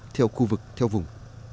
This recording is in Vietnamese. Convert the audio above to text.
theo khu vực theo vùng